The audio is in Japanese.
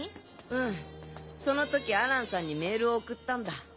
うんその時アランさんにメールを送ったんだ。